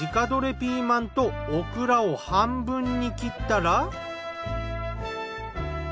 ピーマンとオクラを半分に切ったら。